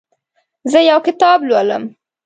زه یو کتاب لولم.